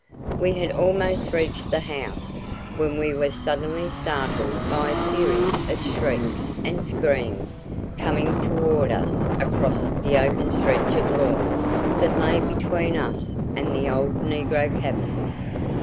We had almost reached the house, when we were suddenly startled by a series of shrieks and screams coming toward us across the open stretch of lawn that lay between us and the old negro cabins.